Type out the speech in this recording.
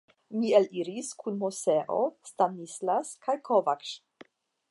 Mi eliris kun Moseo, Stanislas kaj Kovacs.